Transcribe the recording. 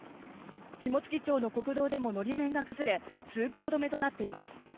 肝付町の国道でも、のり面が崩れ、通行止めとなっています。